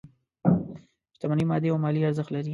شتمني مادي او مالي ارزښت لري.